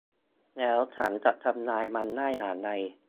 แล้วฉันจะทำลายมันได้อย่างไร